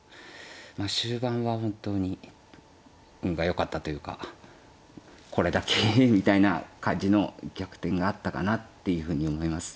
まあ終盤は本当に運がよかったというかこれだけみたいな感じの逆転があったかなっていうふうに思います。